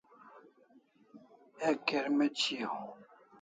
Ek kirmec' shiau